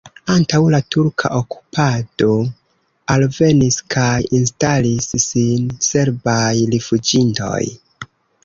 Antaŭ la turka okupado alvenis kaj instalis sin serbaj rifuĝintoj.